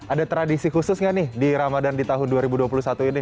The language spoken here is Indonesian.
ada tradisi khusus nggak nih di ramadan di tahun dua ribu dua puluh satu ini